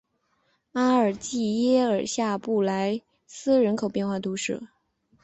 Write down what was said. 阿尔济耶尔下布来斯人口变化图示